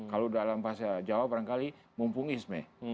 kalau dalam bahasa jawa barangkali mumpungisme